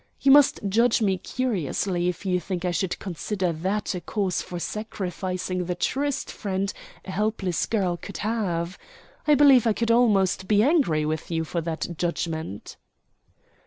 "You must judge me curiously if you think I should consider that a cause for sacrificing the truest friend a helpless girl could have. I believe I could almost be angry with you for that judgment."